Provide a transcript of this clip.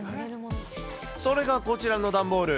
それがこちらの段ボール。